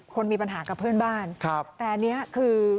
คนมีปัญหากับเพื่อนบ้านแต่อันนี้คือ